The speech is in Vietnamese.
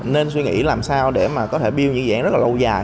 nên suy nghĩ làm sao để mà có thể build những dự án rất là lâu dài